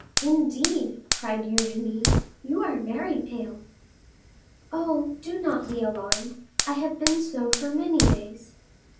"Indeed," cried Eugénie, "you are very pale!" "Oh, do not be alarmed; I have been so for many days."